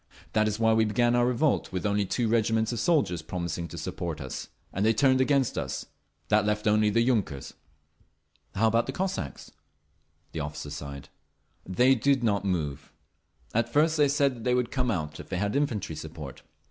That is why we began our revolt with only two regiments of soldiers promising to support us—and they turned against us…. That left only the yunkers…." "How about the Cossacks?" The officer sighed. "They did not move. At first they said they would come out if they had infantry support.